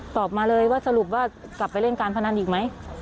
ตอบมาเลยว่าสรุปว่ากลับไปเล่นการพนันอีกไหม